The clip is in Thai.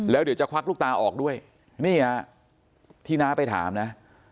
แล้วเดี๋ยวจะควักลูกตาออกด้วยนี่ฮะที่น้าไปถามนะ